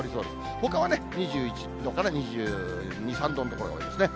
ほかは２１度から２２、３度の所が多いですね。